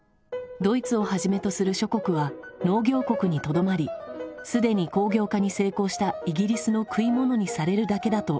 ドイツをはじめとする諸国は農業国にとどまり既に工業化に成功したイギリスの食い物にされるだけだと主張したのだ。